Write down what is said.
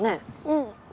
うん。